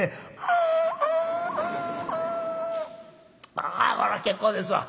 「ああこら結構ですわ」。